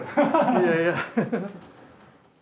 いやいや。